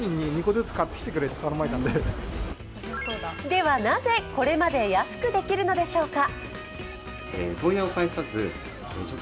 では、なぜこれまで安くできるのでしょうか。